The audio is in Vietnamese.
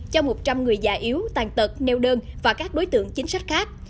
cho một trăm linh người già yếu tàn tật neo đơn và các đối tượng chính sách khác